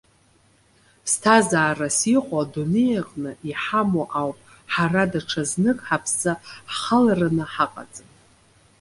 Ԥсҭазаарас иҟоу адунеи аҟны иҳамоу ауп, ҳара даҽазнык ҳаԥсы ҳхалараны ҳаҟаӡам!